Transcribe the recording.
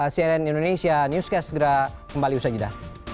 cnn indonesia news saya segera kembali usaha jeda